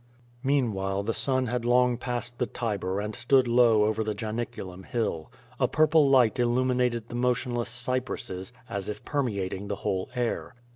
Meanwhile the sun had long passed the Tiber and stood low over the Janiculum hill. A purple light illuminated the motionless cypresses, as if permeating the whole air.